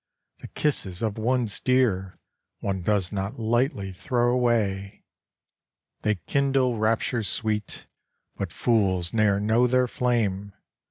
The kisses of one's dear One does not lightly throw away. They kindle raptures sweet, But fools ne'er know their flame!